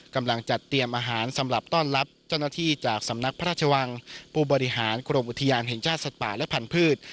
กำลังจัดเตรียมอาหารสำหรับต้อนรับเจ้าหน้าที่จากสำนักพระราชวังผู้บริหารกรมอุทยานแห่งชาติสัตว์ป่าและพันธุ์